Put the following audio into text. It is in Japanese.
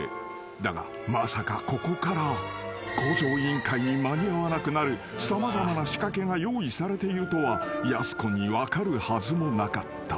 ［だがまさかここから『向上委員会』に間に合わなくなる様々な仕掛けが用意されているとはやす子に分かるはずもなかった］